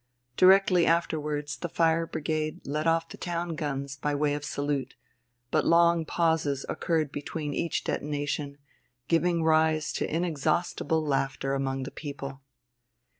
Directly afterwards the fire brigade let off the town guns by way of salute; but long pauses occurred between each detonation, giving rise to inexhaustible laughter among the people.